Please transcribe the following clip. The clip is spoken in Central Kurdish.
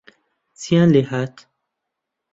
چییان لێهات